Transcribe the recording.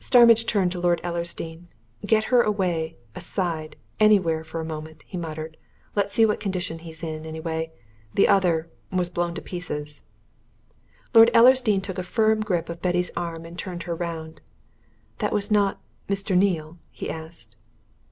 Starmidge turned to Lord Ellersdeane. "Get her away aside anywhere for a minute!" he muttered. "Let's see what condition he's in, anyway. The other was blown to pieces." Lord Ellersdeane took a firm grip of Betty's arm and turned her round. "That was not Mr. Neale?" he asked.